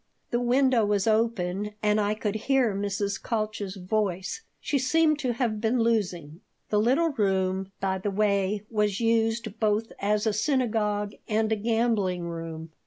The window was open and I could hear Mrs. Kalch's voice. She seemed to have been losing. The little room, by the way, was used both as a synagogue and a gambling room.